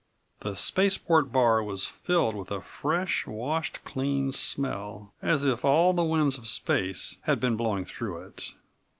The spaceport bar was filled with a fresh, washed clean smell, as if all the winds of space had been blowing through it.